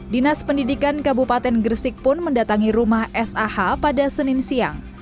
dinas pendidikan kabupaten gresik pun mendatangi rumah sah pada senin siang